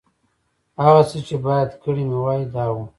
هغه څه چې باید کړي مې وای، دا و.